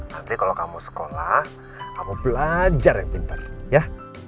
nanti kalau kamu sekolah kamu belajar yang pinter ya